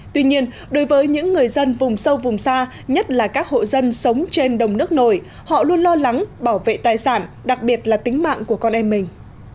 tuy nhiên đối với những người dân vùng sâu vùng xa nhất là các hộ dân sống trên đồng nước nổi họ luôn lo lắng bảo vệ tài sản đặc biệt là tính mạng của con em mình